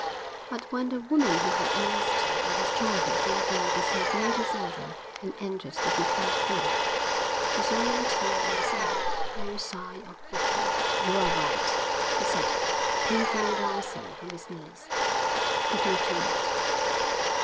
But when the woman who had nursed him in his childhood lovingly disobeyed his order and entered to give him food, she saw no tear in his eye, no sign of weeping. 'You are right!' he said, painfully rising from his knees. 'Give me to eat.'